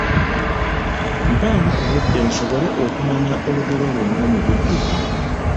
Mpaamu ku budde nsobole okumanya olugero lwonna mu bujjuvu.